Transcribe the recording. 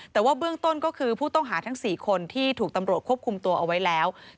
แต่ว่าเบื้องต้นก็คือผู้ต้องหาทั้ง๔คนที่ถูกตำรวจควบคุมตัวเอาไว้แล้ว